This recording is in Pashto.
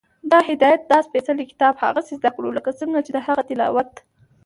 د هدایت دا سپېڅلی کتاب هغسې زده کړو، لکه څنګه چې د هغه تلاوت